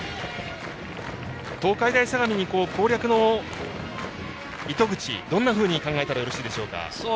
東海大相模に攻略の糸口どんなふうに考えたらいいですか。